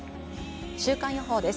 週間予報です。